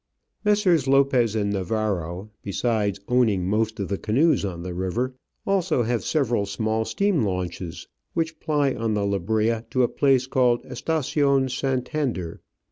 Messrs. Lopez and Navarro, besides owning most of the canoes on the river, also have several small steam launches, which ply on the Lebrija to a place called Estacion Santander.